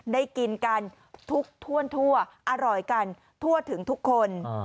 ได้กินกันทุกทั่วอร่อยกันทั่วถึงทุกคน